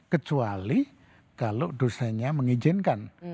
kecuali kalau dosennya mengizinkan